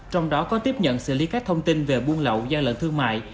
trong đó có tiếp nhận xử lý các thông tin về buôn lậu gian lận thương mại